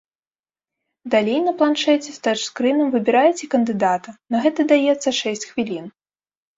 Далей на планшэце з тач-скрынам выбіраеце кандыдата, на гэта даецца шэсць хвілін.